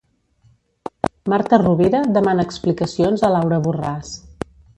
Marta Rovira demana explicacions a Laura Borràs.